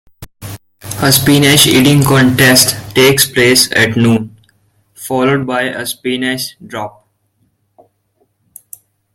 A spinach eating contest takes place at noon, followed by a spinach drop.